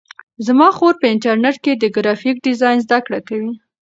زما خور په انټرنیټ کې د گرافیک ډیزاین زده کړه کوي.